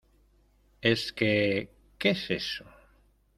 ¿ Es qué? ¿ qué es eso ?